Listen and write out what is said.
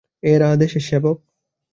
এরা দেশের সেবক!